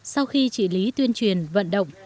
sau khi trị lý tuyên truyền vận động